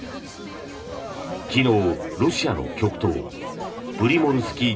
昨日、ロシアの極東プリモルスキー